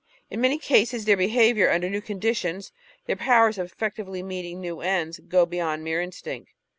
In many cases their behaviour under new conditions, their powers of effectively meeting new ends, go beyond mere instinct.